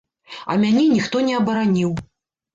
А мяне ніхто не абараніў.